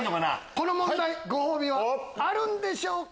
この問題ご褒美はあるんでしょうか？